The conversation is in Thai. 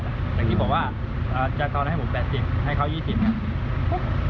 แต่ที่บอกว่าจากตอนนั้นให้ผม๘๐ให้เขา๒๐นะ